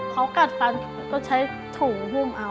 เขากัดฟันก็ใช้ถุงหุ้มเอา